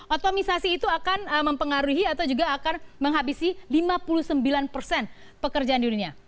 otomisasi itu akan mempengaruhi atau juga akan menghabisi lima puluh sembilan persen pekerjaan di dunia